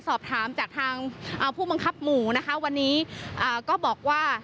สอบถามจากทางผู้บังคับหมู่นะคะวันนี้ก็บอกว่า